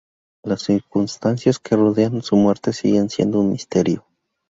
Las circunstancias que rodean su muerte siguen siendo un misterio.